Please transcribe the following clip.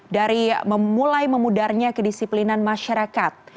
dari memulai memudarnya kedisiplinan masyarakat